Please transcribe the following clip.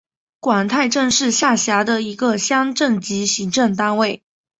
广太镇是下辖的一个乡镇级行政单位。